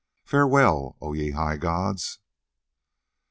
Farewell, O ye high gods."